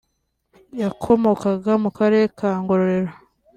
yakomokaga mu Karere ka Ngororero